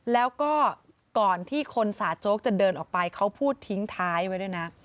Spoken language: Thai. แล้วก็ก่อนที่คนสาโจ๊กจะเดินออกไปเขาพูดทิ้งท้ายไว้ด้วยนะ